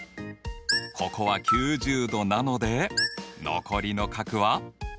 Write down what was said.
ここは９０°なので残りの角は。